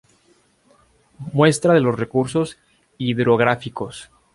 Muestra de los recursos hidrográficos.